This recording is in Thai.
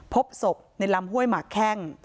พบศพในลำห้วยหมากแข้ง